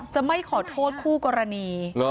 จะไม่ขอโทษคู่กรณี